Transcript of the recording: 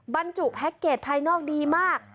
บรรจุแพ็คเกจภายนอกดีมาก